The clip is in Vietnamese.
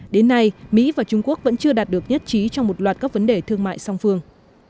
đến nay mỹ và trung quốc vẫn chưa đạt được nhất trí trong một loạt các vấn đề thương mại song phương